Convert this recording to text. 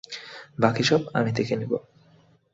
বাকি সব আমি দেখে নিব।